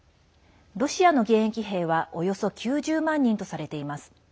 ロシアの現役兵はおよそ９０万人とされています。